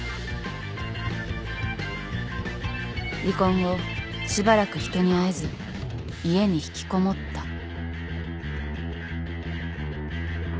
離婚後しばらく人に会えず家に引きこもった。